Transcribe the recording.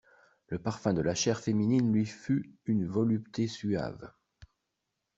Le parfum de la chair féminine lui fut une volupté suave.